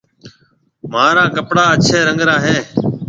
مهارا ڪپڙا اڇهيَ رنگ را هيَ۔